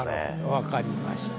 分かりました。